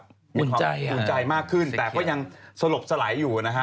มีความมุนใจอ่ะสิทธิ์ครับสิทธิ์ครับมุนใจมากขึ้นแต่ก็ยังสลบสลายอยู่นะฮะ